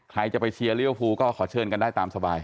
ใครจะไปเชียร์ลิเวอร์ฟูก็ขอเชิญกันได้ตามสบาย